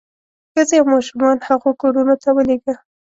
ښځې او ماشومان هغو کورونو ته ولېږو.